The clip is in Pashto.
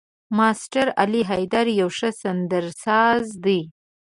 ماسټر علي حيدر يو ښه سندرساز دی.